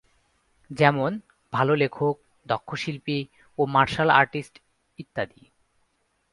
যেমন, ভালো লেখক, দক্ষ শিল্পী ও মার্শাল আর্টিস্ট ইত্যাদি।